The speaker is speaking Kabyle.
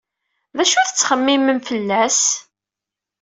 D acu ay txemmemem fell-as?